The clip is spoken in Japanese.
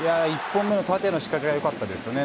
１本目の縦の仕掛けが良かったですよね。